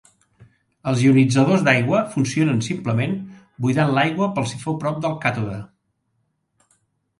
Els ionitzadors d'aigua funcionen simplement buidant l'aigua per sifó prop del càtode.